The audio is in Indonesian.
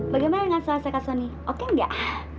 bagaimana dengan sala seca soni oke nggak